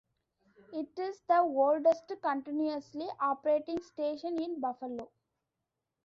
It is the oldest continuously operating station in Buffalo.